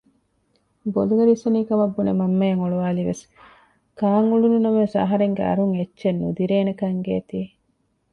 ބޮލުގަ ރިއްސަނީކަމަށް ބުނެ މަންމައަށް އޮޅުވާލީވެސް ކާން އުޅުނު ނަމަވެސް އަހަރެންގެ އަރުން އެއްޗެއް ނުދިރޭނެކަން އެނގޭތީ